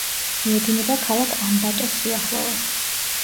მიედინება ქალაქ ამბატოს სიახლოვეს.